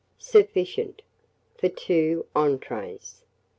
Sufficient for 2 entrées.